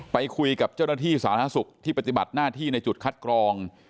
ไปคุยกับเจ้าหน้าที่สาธารณสุขที่ปฏิบัติหน้าที่ในจุดคัดกรอง